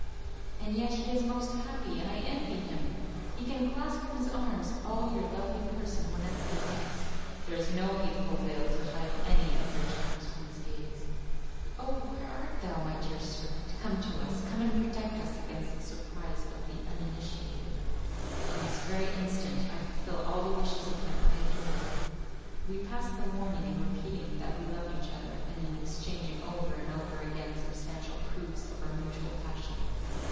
"And yet he is most happy, and I envy him! He can clasp in his arms all your lovely person whenever he likes! There is no hateful veil to hide any of your charms from his gaze." "Oh! where art thou, my dear serpent? Come to us, come and protect us against the surprise of the uninitiated, and this very instant I fulfil all the wishes of him I adore!" We passed the morning in repeating that we loved each other, and in exchanging over and over again substantial proofs of our mutual passion.